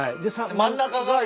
真ん中が。